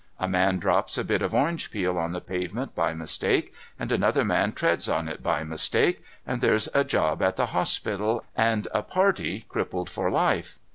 A man drops a bit of orange peel on the pavement by mistake, and another man treads on it by mistake, and there's a job at the hos pital, and a party crippled for life.